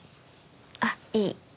あっいい！